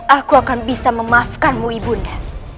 aku akan bisa memaafkanmu ibu nda